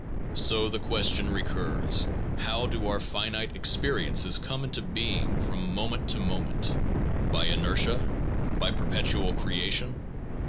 So the question recurs : How do our finite experiences come into being from moment to moment? By inertia? By perpetual creation?